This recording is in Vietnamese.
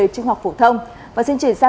trinh học phổ thông và xin chuyển sang